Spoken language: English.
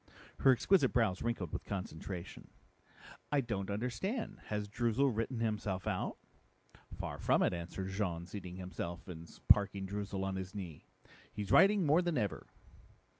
Her exquisite brows wrinkled with concentration. "I don't understand. Has Droozle written himself out?" "Far from it," answered Jean, seating himself and parking Droozle on his knee. "He's writing more than ever."